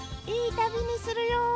「いい旅にするよ！」。